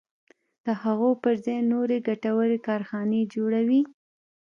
د هغو پر ځای نورې ګټورې کارخانې جوړوي.